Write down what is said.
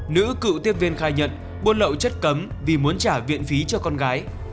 nữ cựu tiếp viên khai nhận buôn lậu chất cấm vì muốn trả viện phí cho con gái